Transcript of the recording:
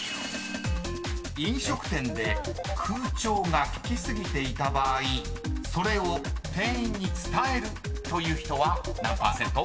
［飲食店で空調が効き過ぎていた場合それを店員に伝えるという人は何％？］